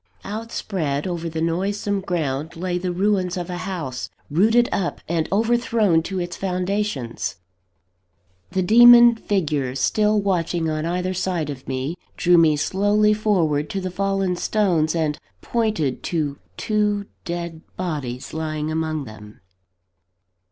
Outspread over the noisome ground lay the ruins of a house, rooted up and overthrown to its foundations. The demon figures, still watching on either side of me, drew me slowly forward to the fallen stones, and pointed to two dead bodies lying among them.